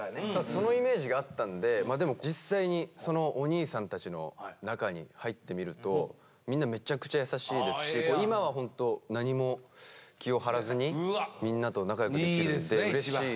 そのイメージがあったんででも実際にそのお兄さんたちの中に入ってみるとみんなめちゃくちゃ優しいですし今はホント何も気を張らずにみんなと仲良くできるんでうれしい。